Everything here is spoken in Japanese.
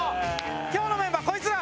今日のメンバーこいつら。